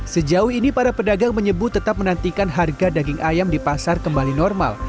sejauh ini para pedagang menyebut tetap menantikan harga daging ayam di pasar kembali normal